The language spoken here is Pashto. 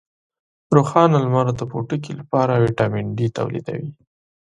روښانه لمر د پوټکي لپاره ویټامین ډي تولیدوي.